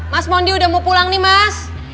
mas mondi udah mau pulang nih mas